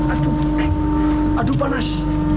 aduh eh aduh panas